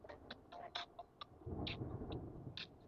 他现在效力于英超球队沃特福德足球俱乐部。